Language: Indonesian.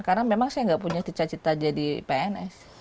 karena memang saya nggak punya cita cita jadi pns